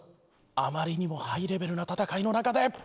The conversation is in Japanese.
あまりにもハイレベルな戦いの中で。